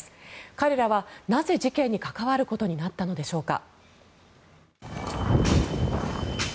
彼らはなぜ事件に関わることになったのでしょうか。